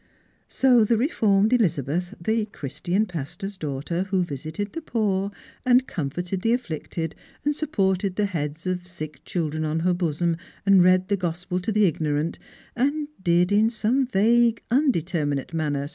So the reformed Elizabeth, the Christian pastor's daughter, who visited the poor, and comforted the afflicted, and supported the heads of sick children on her bosom, and read the gospel to the ignorant, and did in some vague undeterminate manner u 94 Strangers and Pilgrims.